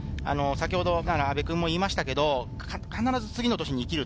阿部君も言いましたが、必ず次の年に生きる。